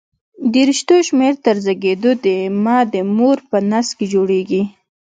د رشتو شمېر تر زېږېدو د مه د مور په نس کې جوړېږي.